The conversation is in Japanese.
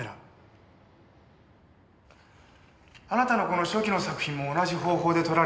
あなたのこの初期の作品も同じ方法で撮られたんですよね？